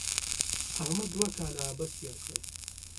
احمد دوه کاله عبث تېر کړل.